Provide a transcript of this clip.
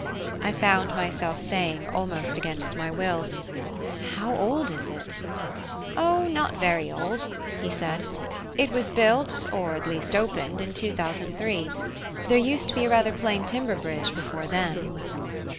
I found myself saying, almost against my will, "How old is it?" "Oh, not very old," he said; "it was built or at least opened, in 2003. There used to be a rather plain timber bridge before then."